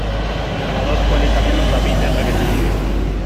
El ganador fue el italiano Davide Rebellin.